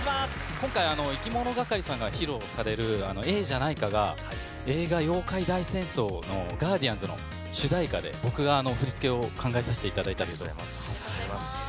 今回いきものがかりさんが披露されるええじゃないかが、映画、妖怪大戦争のガーディアンズの主題歌で、僕が振り付けを考えさせありがとうございます。